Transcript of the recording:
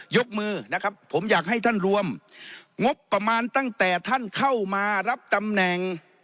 ยกมือนะครับผมอยากให้ท่านรวมงบประมาณตั้งแต่ท่านเข้ามารับตำแหน่ง